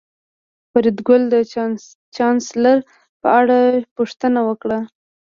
فریدګل د چانسلر په اړه پوښتنه وکړه